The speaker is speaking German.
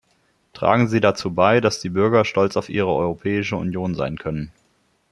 Tragen Sie dazu bei, dass die Bürger stolz auf ihre Europäische Union sein können.